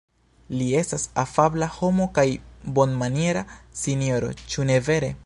Li estas afabla homo kaj bonmaniera sinjoro, ĉu ne vere?